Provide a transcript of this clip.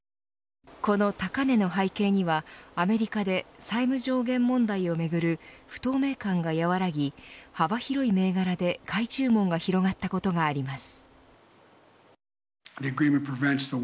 この高値の背景にはアメリカで債務上限問題をめぐる不透明感が和らぎ、幅広い銘柄で買い注文が広がったことがあります。